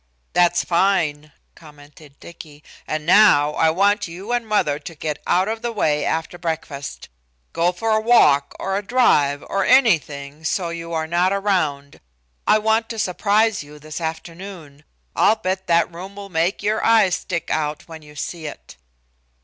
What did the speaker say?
"That's fine," commented Dicky. "And now I want you and mother to get out of the way after breakfast. Go for a walk or a drive or anything go you are not around. I want to surprise you this afternoon. I'll bet that room will make your eyes stick out when you see it."